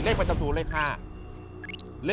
เลขประจำตูกลางคือเลข๕